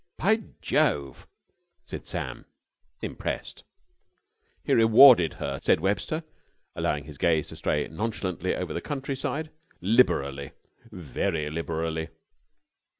"By Jove!" said Sam, impressed. "He rewarded her," said Webster, allowing his gaze to stray nonchalantly over the country side, "liberally, very liberally."